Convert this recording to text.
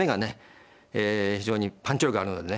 非常にパンチ力があるのでね